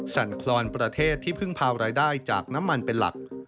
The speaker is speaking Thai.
สั่นคลอนประเทศที่พึ่งพารายได้จากน้ำมันเป็นหลัก